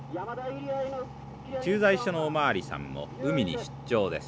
駐在所のお巡りさんも海に出張です。